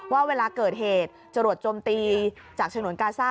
ว่าเวลาเกิดเหตุจรวดจมตีจากฉนวนกาซ่า